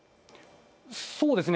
そうですね。